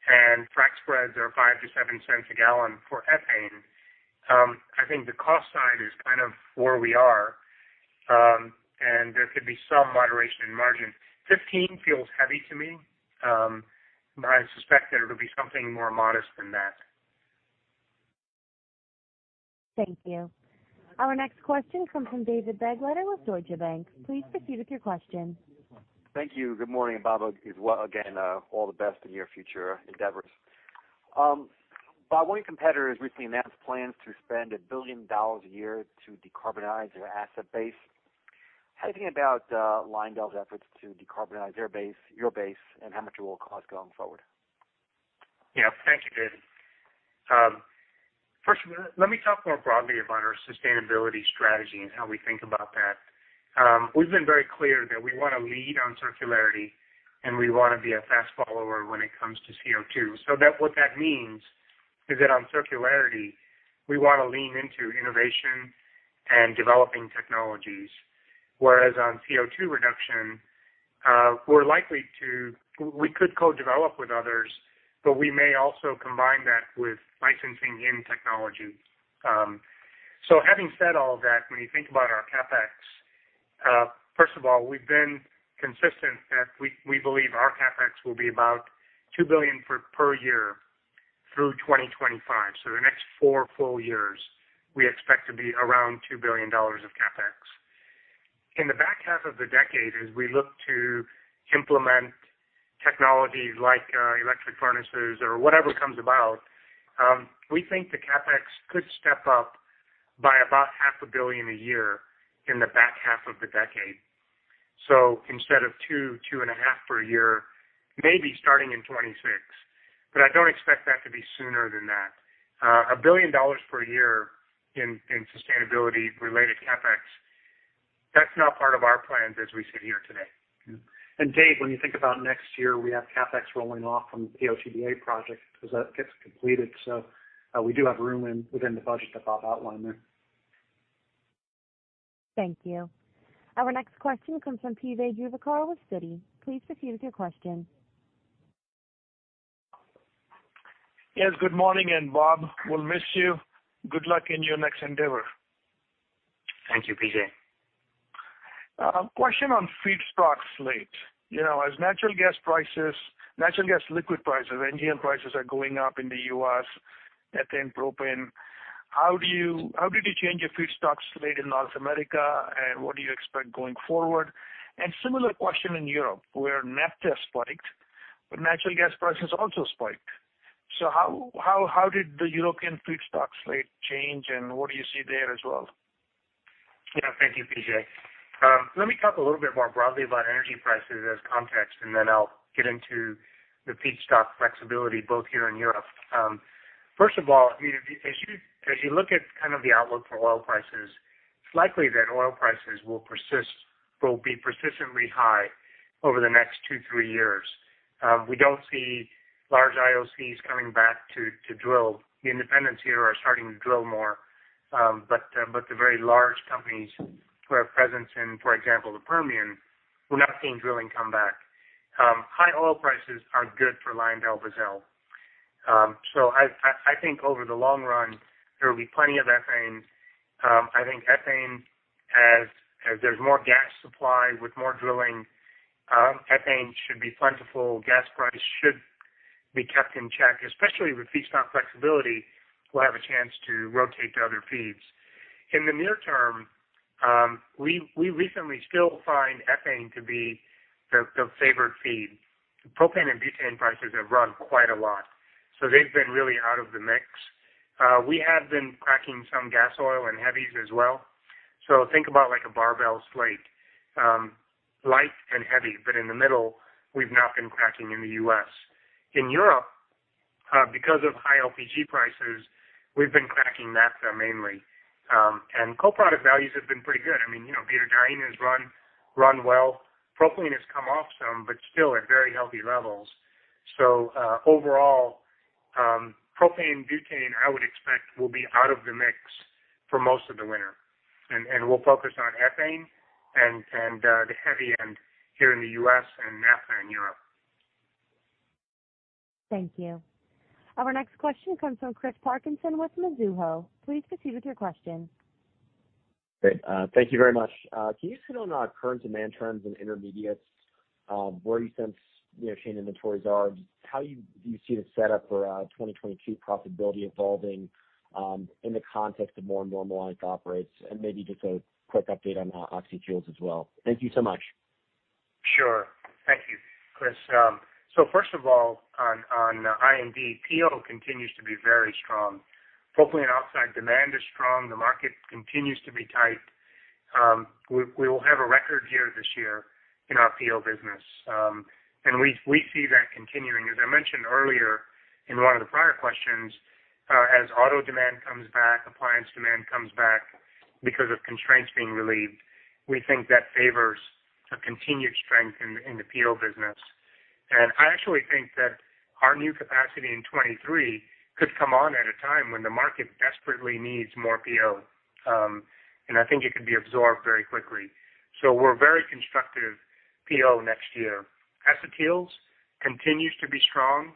and frac spreads are $0.05-$0.07 a gallon for ethane, I think the cost side is kind of where we are, and there could be some moderation in margin. 15% feels heavy to me, but I suspect that it'll be something more modest than that. Thank you. Our next question comes from David Begleiter with Deutsche Bank. Please proceed with your question. Thank you. Good morning, Bob. Again, all the best in your future endeavors. Bob, one of your competitors recently announced plans to spend $1 billion a year to decarbonize their asset base. How do you think about LyondellBasell's efforts to decarbonize their base, your base, and how much it will cost going forward? Yeah. Thank you, David. First, let me talk more broadly about our sustainability strategy and how we think about that. We've been very clear that we wanna lead on circularity, and we wanna be a fast follower when it comes to CO2. What that means is that on circularity we wanna lean into innovation and developing technologies. Whereas on CO2 reduction, we're likely to co-develop with others, but we may also combine that with licensing in technology. Having said all of that, when you think about our CapEx, first of all, we've been consistent that we believe our CapEx will be about $2 billion per year through 2025. The next 4 full years we expect to be around $2 billion of CapEx. In the back half of the decade, as we look to implement technologies like electric furnaces or whatever comes about, we think the CapEx could step up by about half a billion a year in the back half of the decade. Instead of $2 billion-$2.5 billion per year, maybe starting in 2026. I don't expect that to be sooner than that. $1 billion per year in sustainability-related CapEx, that's not part of our plans as we sit here today. Dave, when you think about next year, we have CapEx rolling off from the POTBA project as that gets completed. We do have room within the budget that Bob outlined there. Thank you. Our next question comes from P.J. Juvekar with Citi. Please proceed with your question. Yes, good morning, and Bob, we'll miss you. Good luck in your next endeavor. Thank you, P.J. Question on feedstock slate. You know, as natural gas liquid prices, NGL prices are going up in the U.S., ethane, propane. How did you change your feedstock slate in North America, and what do you expect going forward? Similar question in Europe, where naphtha spiked, but natural gas prices also spiked. How did the European feedstock slate change, and what do you see there as well? Yeah, thank you, PJ. Let me talk a little bit more broadly about energy prices as context, and then I'll get into the feedstock flexibility both here and Europe. First of all, I mean, as you look at kind of the outlook for oil prices, it's likely that oil prices will be persistently high over the next two, three years. We don't see large IOCs coming back to drill. The independents here are starting to drill more, but the very large companies who have presence in, for example, the Permian, we're not seeing drilling come back. High oil prices are good for LyondellBasell. I think over the long run, there will be plenty of ethane. I think ethane, as there's more gas supply with more drilling, ethane should be plentiful. Gas price should be kept in check, especially with feedstock flexibility. We'll have a chance to rotate to other feeds. In the near term, we recently still find ethane to be the favored feed. Propane and butane prices have run quite a lot, so they've been really out of the mix. We have been cracking some gas oil and heavies as well. Think about like a barbell slate, light and heavy, but in the middle, we've now been cracking in the U.S. In Europe, because of high LPG prices, we've been cracking naphtha mainly. Co-product values have been pretty good. I mean, you know, butadiene has run well. Propylene has come off some, but still at very healthy levels. Overall, propane, butane, I would expect, will be out of the mix for most of the winter. We'll focus on ethane and the heavy end here in the U.S. and naphtha in Europe. Thank you. Our next question comes from Chris Parkinson with Mizuho. Please proceed with your question. Great. Thank you very much. Can you speak on current demand trends in intermediates, where you sense in-chain inventories are, and how you see the setup for 2022 profitability evolving in the context of more normalized operations? Maybe just a quick update on oxy fuels as well. Thank you so much. Sure. Thank you, Chris. First of all, on I&D, PO continues to be very strong. Propylene oxide demand is strong. The market continues to be tight. We will have a record year this year in our PO business. We see that continuing. As I mentioned earlier in one of the prior questions, as auto demand comes back, appliance demand comes back because of constraints being relieved, we think that favors a continued strength in the PO business. I actually think that our new capacity in 2023 could come on at a time when the market desperately needs more PO, and I think it could be absorbed very quickly. We're very constructive PO next year. Acetyls continues to be strong.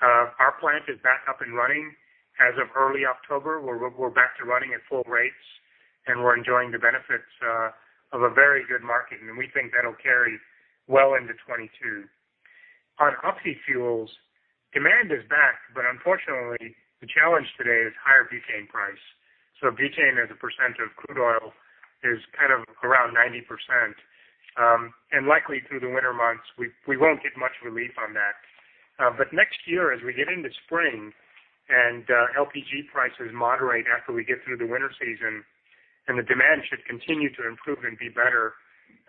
Our plant is back up and running as of early October. We're back to running at full rates, and we're enjoying the benefits of a very good market. We think that'll carry well into 2022. On oxy fuels, demand is back, but unfortunately, the challenge today is higher butane price. Butane as a percent of crude oil is kind of around 90%. Likely through the winter months, we won't get much relief on that. Next year, as we get into spring and LPG prices moderate after we get through the winter season, and the demand should continue to improve and be better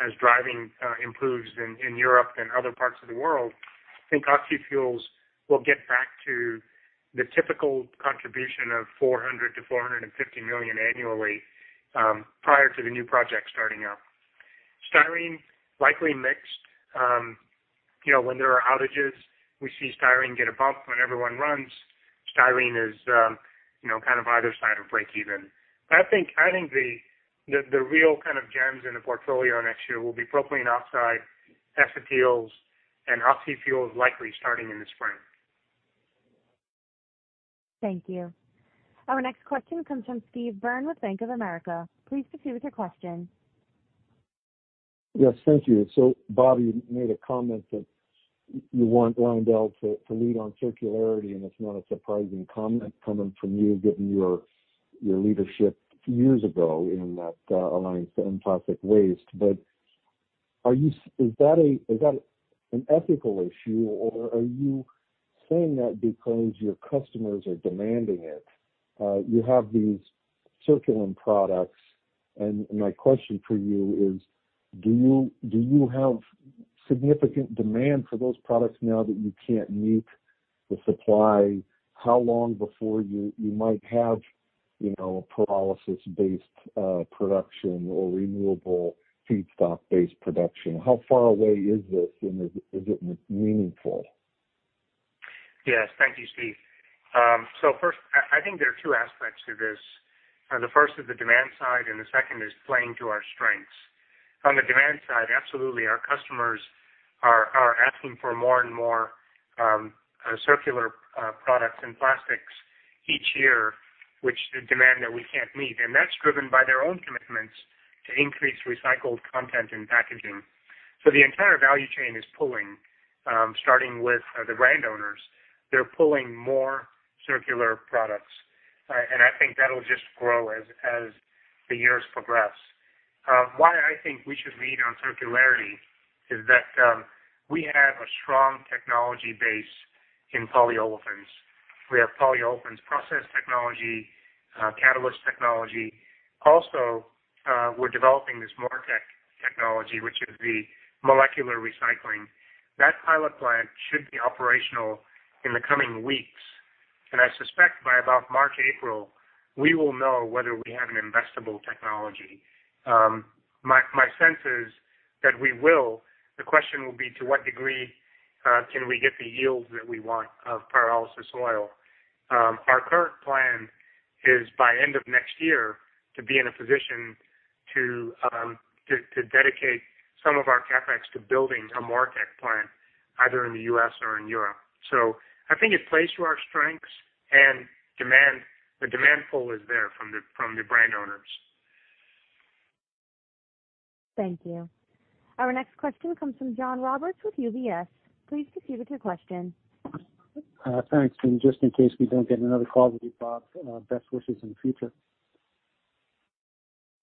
as driving improves in Europe and other parts of the world, I think oxy fuels will get back to the typical contribution of $400 million-$450 million annually, prior to the new project starting up. Styrene, likely mixed. You know, when there are outages, we see styrene get a bump. When everyone runs, styrene is, you know, kind of either side of breakeven. I think the real kind of gems in the portfolio next year will be propylene oxide, acetyls, and oxy fuels likely starting in the spring. Thank you. Our next question comes from Steve Byrne with Bank of America. Please proceed with your question. Yes. Thank you. Bob, you made a comment that you want LyondellBasell to lead on circularity, and it's not a surprising comment coming from you, given your leadership years ago in that Alliance to End Plastic Waste. Is that an ethical issue, or are you saying that because your customers are demanding it? You have these circular products, and my question for you is, do you have significant demand for those products now that you can't meet? The supply, how long before you might have, you know, pyrolysis-based production or renewable feedstock-based production? How far away is this and is it meaningful? Yes. Thank you, Steve. First, I think there are two aspects to this. The first is the demand side, and the second is playing to our strengths. On the demand side, absolutely our customers are asking for more and more circular products and plastics each year, which the demand that we can't meet. That's driven by their own commitments to increase recycled content in packaging. The entire value chain is pulling, starting with the brand owners. They're pulling more circular products. I think that'll just grow as the years progress. Why I think we should lean on circularity is that we have a strong technology base in polyolefins. We have polyolefins process technology, catalyst technology. Also, we're developing this MoReTec technology, which is the molecular recycling. That pilot plant should be operational in the coming weeks. I suspect by about March, April, we will know whether we have an investable technology. My sense is that we will. The question will be to what degree can we get the yields that we want of pyrolysis oil? Our current plan is by end of next year to be in a position to dedicate some of our CapEx to building a MoReTec plant, either in the U.S. or in Europe. I think it plays to our strengths and demand. The demand pull is there from the brand owners. Thank you. Our next question comes from John Roberts with UBS. Please proceed with your question. Thanks. Just in case we don't get another call with you, Bob, best wishes in the future.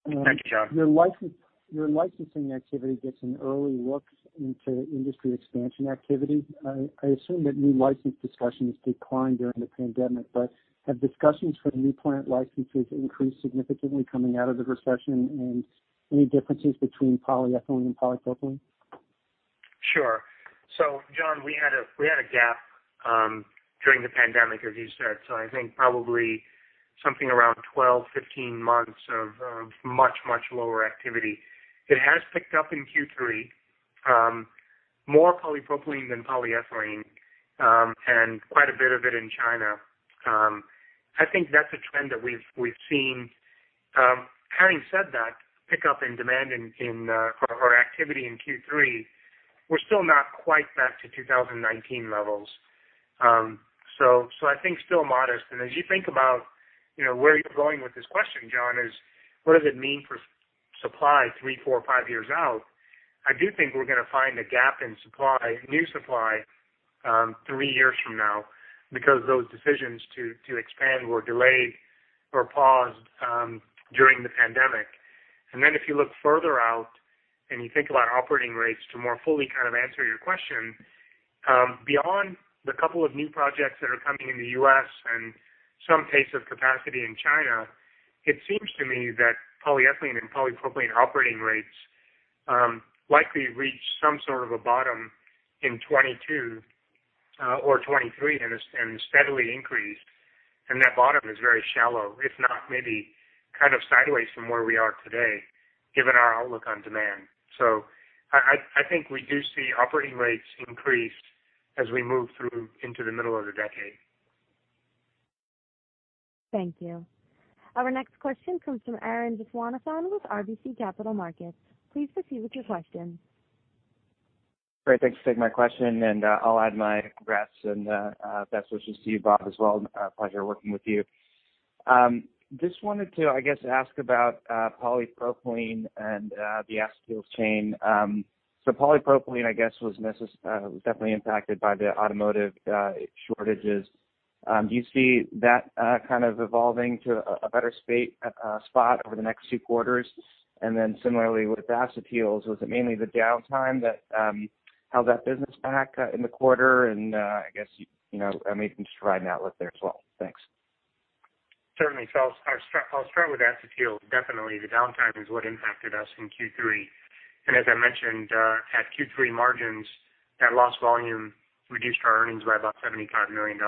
Thank you, John. Your licensing activity gets an early look into industry expansion activity. I assume that new license discussions declined during the pandemic. Have discussions for new plant licenses increased significantly coming out of the recession, and any differences between polyethylene and polypropylene? Sure. John, we had a gap during the pandemic, as you said. I think probably something around 12, 15 months of much lower activity. It has picked up in Q3, more polypropylene than polyethylene, and quite a bit of it in China. I think that's a trend that we've seen. Having said that, pickup in demand in or activity in Q3, we're still not quite back to 2019 levels. I think still modest. As you think about, you know, where you're going with this question, John, is what does it mean for supply three, four, five years out? I do think we're gonna find a gap in supply, new supply, three years from now because those decisions to expand were delayed or paused during the pandemic. Then if you look further out and you think about operating rates to more fully kind of answer your question, beyond the couple of new projects that are coming in the U.S. and some pace of capacity in China, it seems to me that polyethylene and polypropylene operating rates likely reach some sort of a bottom in 2022 or 2023 and steadily increase. That bottom is very shallow, if not maybe kind of sideways from where we are today, given our outlook on demand. I think we do see operating rates increase as we move through into the middle of the decade. Thank you. Our next question comes from Arun Viswanathan with RBC Capital Markets. Please proceed with your question. Great. Thanks for taking my question, and I'll add my congrats and best wishes to you, Bob, as well. It's a pleasure working with you. Just wanted to, I guess, ask about polypropylene and the acetyls chain. Polypropylene, I guess, was definitely impacted by the automotive shortages. Do you see that kind of evolving to a better spot over the next few quarters? Then similarly with acetyls, was it mainly the downtime that held that business back in the quarter? I guess, you know, maybe just provide an outlook there as well. Thanks. Certainly. I'll start with Acetyls. Definitely the downtime is what impacted us in Q3. As I mentioned, at Q3 margins, that lost volume reduced our earnings by about $75 million.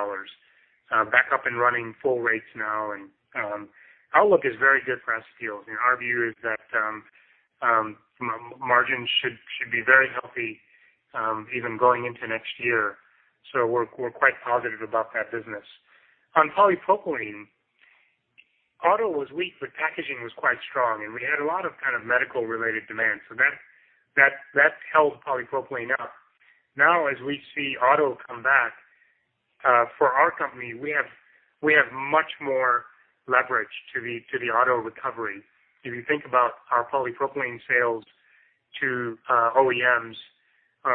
Back up and running full rates now and outlook is very good for Acetyls, and our view is that margins should be very healthy even going into next year. We're quite positive about that business. On polypropylene, auto was weak, but packaging was quite strong, and we had a lot of kind of medical related demand. That held polypropylene up. Now, as we see auto come back, for our company, we have much more leverage to the auto recovery. If you think about our polypropylene sales to OEMs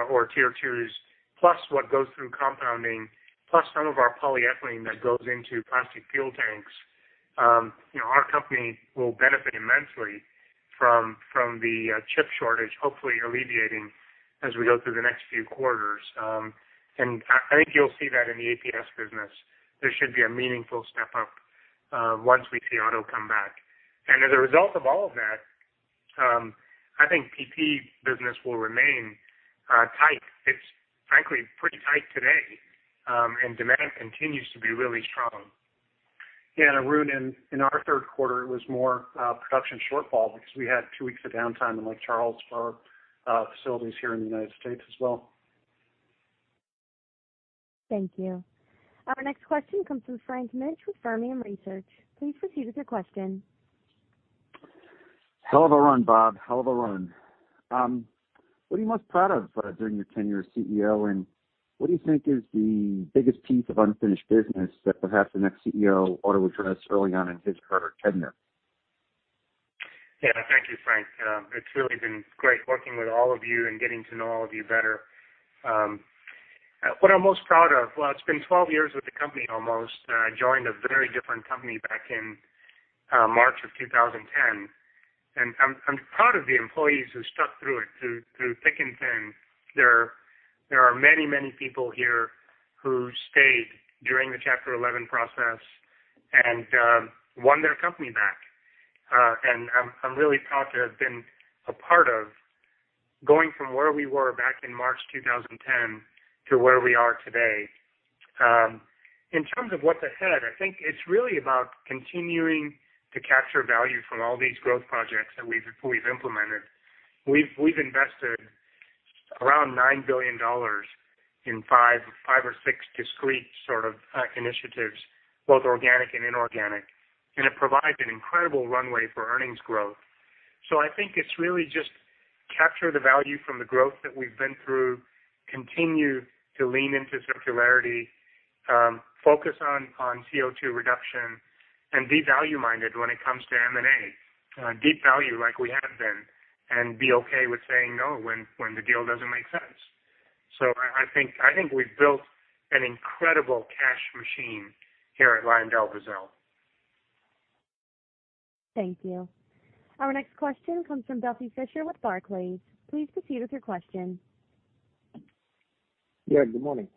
or Tier 2s, plus what goes through compounding, plus some of our polyethylene that goes into plastic fuel tanks, you know, our company will benefit immensely from the chip shortage, hopefully alleviating as we go through the next few quarters. I think you'll see that in the APS business. There should be a meaningful step up once we see auto come back. As a result of all of that, I think PP business will remain tight. It's frankly pretty tight today, and demand continues to be really strong. Yeah. Arun, in our third quarter, it was more production shortfall because we had two weeks of downtime in Lake Charles for facilities here in the United States as well. Thank you. Our next question comes from Frank Mitsch with Fermium Research. Please proceed with your question. Hell of a run, Bob. Hell of a run. What are you most proud of during your tenure as CEO, and what do you think is the biggest piece of unfinished business that perhaps the next CEO ought to address early on in his or her tenure? Yeah. Thank you, Frank. It's really been great working with all of you and getting to know all of you better. Well, it's been 12 years with the company almost. I joined a very different company back in March 2010, and I'm proud of the employees who stuck through it, through thick and thin. There are many people here who stayed during the Chapter Eleven process and won their company back. I'm really proud to have been a part of going from where we were back in March 2010 to where we are today. In terms of what's ahead, I think it's really about continuing to capture value from all these growth projects that we've implemented. We've invested around $9 billion in five or six discrete sort of initiatives, both organic and inorganic, and it provides an incredible runway for earnings growth. I think it's really just capture the value from the growth that we've been through, continue to lean into circularity, focus on CO2 reduction, and be value-minded when it comes to M&A. Deep value like we have been, and be okay with saying no when the deal doesn't make sense. I think we've built an incredible cash machine here at LyondellBasell. Thank you. Our next question comes from Duffy Fischer with Barclays. Please proceed with your question. Yeah, good morning.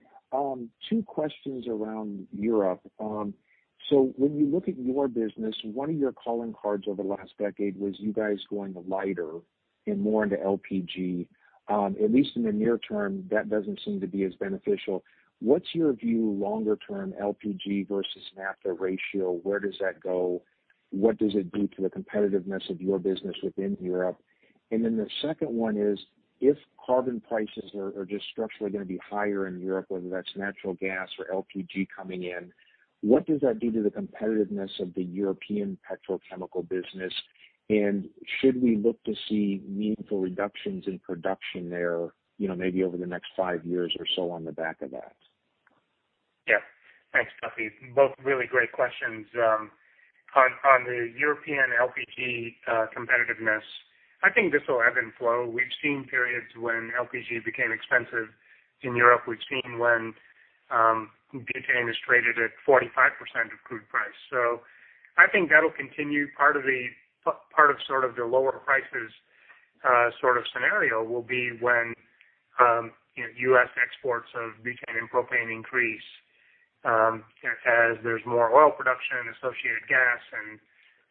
Two questions around Europe. So when you look at your business, one of your calling cards over the last decade was you guys going lighter and more into LPG. At least in the near term, that doesn't seem to be as beneficial. What's your view longer-term LPG versus naphtha ratio? Where does that go? What does it do to the competitiveness of your business within Europe? And then the second one is, if carbon prices are just structurally gonna be higher in Europe, whether that's natural gas or LPG coming in, what does that do to the competitiveness of the European petrochemical business? And should we look to see meaningful reductions in production there, you know, maybe over the next five years or so on the back of that? Yeah. Thanks, Duffy. Both really great questions. On the European LPG competitiveness, I think this will ebb and flow. We've seen periods when LPG became expensive in Europe. We've seen when butane is traded at 45% of crude price. I think that'll continue. Part of sort of the lower prices sort of scenario will be when you know U.S. exports of butane and propane increase as there's more oil production, associated gas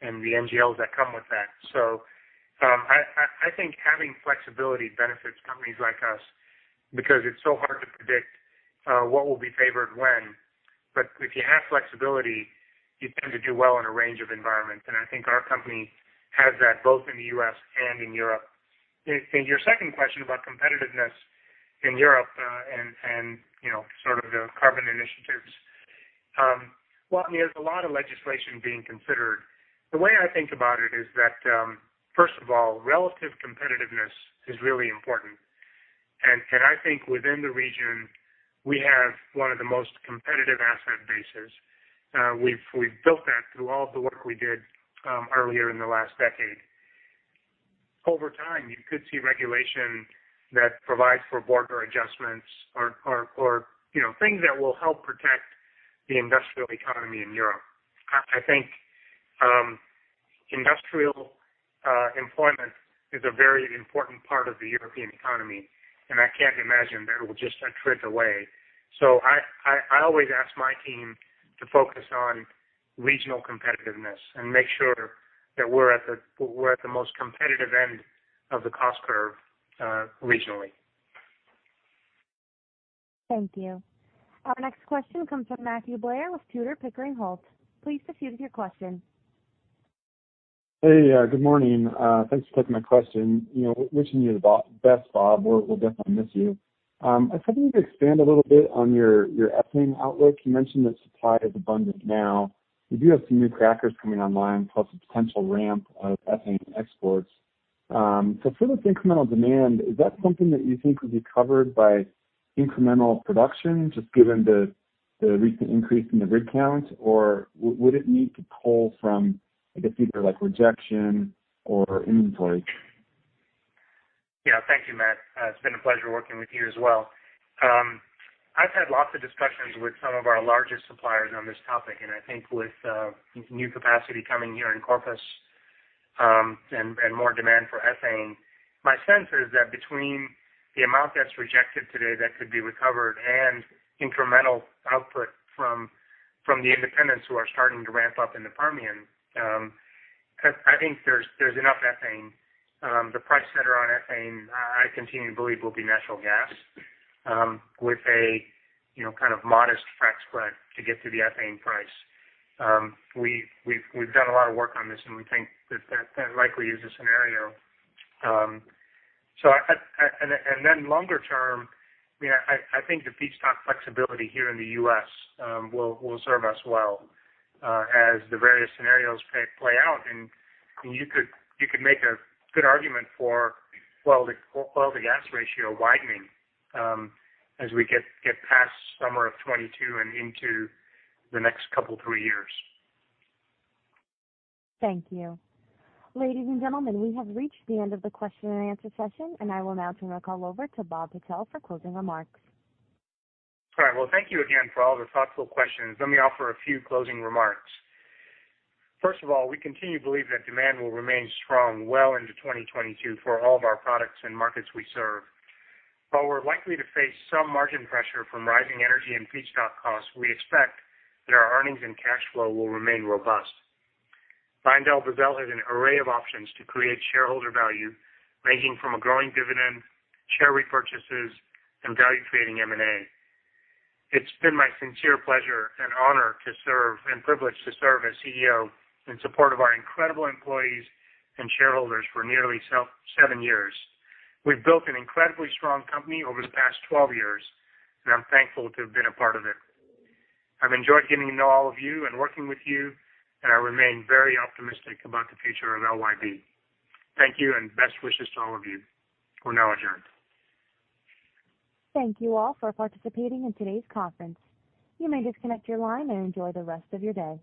and the NGLs that come with that. I think having flexibility benefits companies like us because it's so hard to predict what will be favored when. If you have flexibility, you tend to do well in a range of environments, and I think our company has that both in the U.S. and in Europe. Your second question about competitiveness in Europe, and you know, sort of the carbon initiatives, well, I mean, there's a lot of legislation being considered. The way I think about it is that, first of all, relative competitiveness is really important. I think within the region we have one of the most competitive asset bases. We've built that through all of the work we did, earlier in the last decade. Over time, you could see regulation that provides for border adjustments or you know, things that will help protect the industrial economy in Europe. I think industrial employment is a very important part of the European economy, and I can't imagine that it will just attrit away. I always ask my team to focus on regional competitiveness and make sure that we're at the most competitive end of the cost curve, regionally. Thank you. Our next question comes from Matthew Blair with Tudor, Pickering, Holt. Please proceed with your question. Hey, good morning. Thanks for taking my question. You know, wishing you the best, Bob. We'll definitely miss you. I was hoping you could expand a little bit on your ethane outlook. You mentioned that supply is abundant now. You do have some new crackers coming online, plus a potential ramp of ethane exports. So for this incremental demand, is that something that you think would be covered by incremental production, just given the recent increase in the rig count? Or would it need to pull from, I guess, either, like, rejection or inventory? Yeah. Thank you, Matt. It's been a pleasure working with you as well. I've had lots of discussions with some of our largest suppliers on this topic, and I think with new capacity coming here in Corpus, and more demand for ethane. My sense is that between the amount that's rejected today that could be recovered and incremental output from the independents who are starting to ramp up in the Permian, I think there's enough ethane. The price setter on ethane, I continue to believe will be natural gas, with a you know kind of modest frack spread to get to the ethane price. We've done a lot of work on this, and we think that that likely is the scenario. longer term, you know, I think the feedstock flexibility here in the U.S. will serve us well as the various scenarios play out. You could make a good argument for oil to gas ratio widening as we get past summer of 2022 and into the next couple three years. Thank you. Ladies and gentlemen, we have reached the end of the question and answer session, and I will now turn the call over to Bob Patel for closing remarks. All right. Well, thank you again for all the thoughtful questions. Let me offer a few closing remarks. First of all, we continue to believe that demand will remain strong well into 2022 for all of our products and markets we serve. While we're likely to face some margin pressure from rising energy and feedstock costs, we expect that our earnings and cash flow will remain robust. LyondellBasell has an array of options to create shareholder value, ranging from a growing dividend, share repurchases, and value-creating M&A. It's been my sincere pleasure and honor to serve and privilege to serve as CEO in support of our incredible employees and shareholders for nearly seven years. We've built an incredibly strong company over the past 12 years, and I'm thankful to have been a part of it. I've enjoyed getting to know all of you and working with you, and I remain very optimistic about the future of LYB. Thank you and best wishes to all of you. We're now adjourned. Thank you all for participating in today's conference. You may disconnect your line and enjoy the rest of your day.